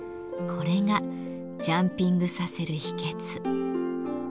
これがジャンピングさせる秘けつ。